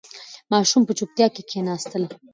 ماشومان په چوپتیا کې کښېناستل.